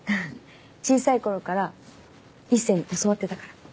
小さい頃から一星に教わってたから。